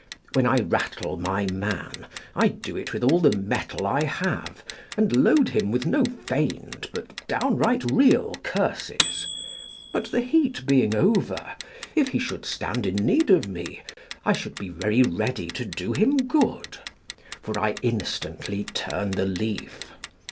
When I rattle my man, I do it with all the mettle I have, and load him with no feigned, but downright real curses; but the heat being over, if he should stand in need of me, I should be very ready to do him good: for I instantly turn the leaf.